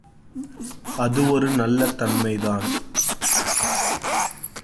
அது ஒரு நல்ல தன்மைதான்.